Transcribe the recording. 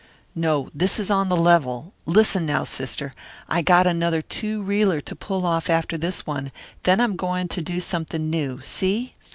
"No, this is on the level. Listen, now, sister, I got another two reeler to pull off after this one, then I'm goin' to do something new, see?